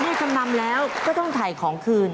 จำนำแล้วก็ต้องถ่ายของคืน